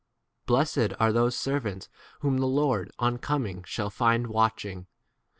Blessed are those ser vants whom the lord [on] coming shall find watching.